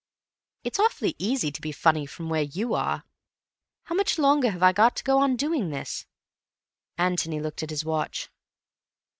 "It's awfully easy to be funny from where you are. How much longer have I got to go on doing this?" Antony looked at his watch.